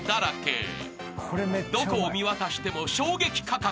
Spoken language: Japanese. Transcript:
［どこを見渡しても衝撃価格］